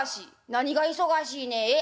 「何が忙しいねんええ？